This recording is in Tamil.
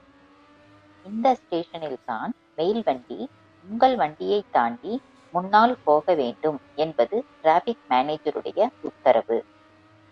இந்த ஸ்டேஷனில்தான் மெயில்வண்டி உங்கள் வண்டியைத் தாண்டி முன்னால்போக வேண்டும் என்பது டிராபிக் மானேஜருடைய உத்தரவு.